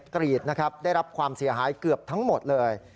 กรีดนะครับได้รับความเสียหายเกือบทั้งหมดเลย